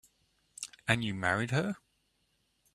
And you married her.